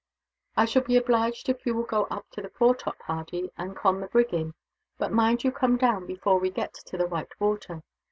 "I shall be obliged if you will go up to the foretop, Hardy, and con the brig in; but mind you, come down before we get to the white water.